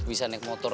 siapa ya sihir